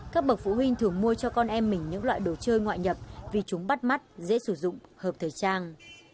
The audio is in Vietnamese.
các bậc phụ huynh thường mua cho con em mình những loại đồ chơi ngoại nhập vì chúng bắt mắt dễ sử dụng hợp thời trang